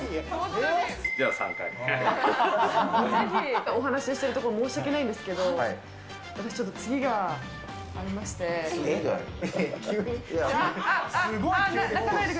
ぜひ、お話ししているところ、申し訳ないんですけれども、私ちょっと次次がある？